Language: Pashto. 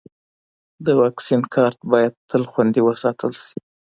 د واکسین کارت باید تل خوندي وساتل شي.